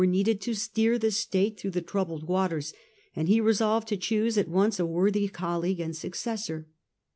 needed to steer the state through the troubled waters, and he resolved to choose at once a worthy col league and successor.